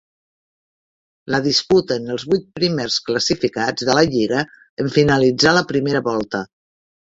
La disputen els vuit primers classificats de la lliga en finalitzar la primera volta.